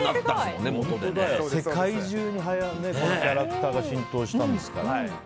世界中にキャラクターが浸透したんですからね。